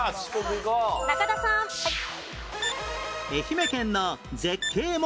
愛媛県の絶景問題